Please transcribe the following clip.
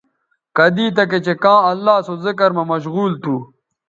کدی تکےچہء کاں اللہ سو ذکر مہ مشغول تھو